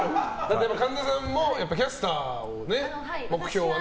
神田さんもキャスターを目標にね。